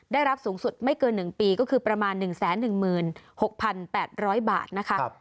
ได้รับสูงสุดไม่เกิน๑ปีก็คือประมาณ๑๑๖๘๐๐บาทนะคะ